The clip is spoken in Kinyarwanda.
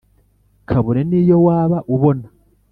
kabone n’iyo waba ubona